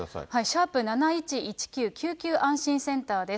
７１１９、救急安心センターです。